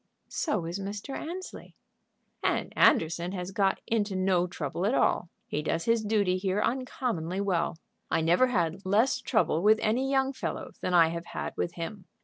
"So is Mr. Annesley." "And Anderson has got into no trouble at all. He does his duty here uncommonly well. I never had less trouble with any young fellow than I have had with him.